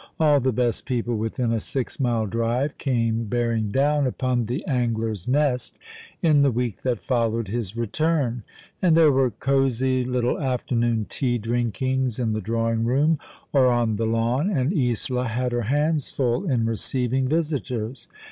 All the best people within a six mile drive came bearing down upon the Angler s Nest in the week that followed his return ; and there were cosy little afternoon tea drinkings in the drawing room, or on the lawn, and Isola had her hands full in receiving visitors.